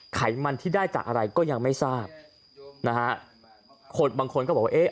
ไขมันที่ได้จากอะไรก็ยังไม่ทราบนะฮะคนบางคนก็บอกว่าเอ๊ะ